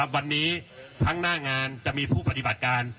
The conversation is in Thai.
วันนี้ทั้งหน้างานจะมีผู้ปฏิบัติการ